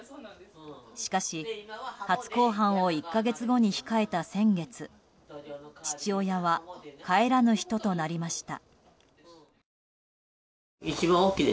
しかし、初公判を１か月後に控えた先月父親は帰らぬ人となりました。